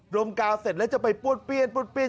ดมกลาวเสร็จแล้วจะไปปลวดเปี้ยนปลวดเปี้ยน